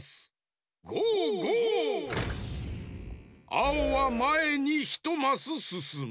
あおはまえにひとマスすすむ。